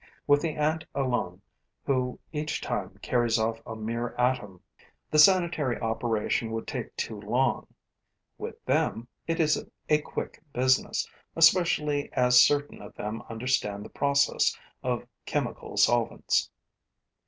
With the ant alone, who each time carries off a mere atom, the sanitary operation would take too long; with them, it is a quick business, especially as certain of them understand the process of chemical solvents.